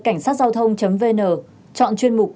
cảnhsatgiaothong vn chọn chuyên mục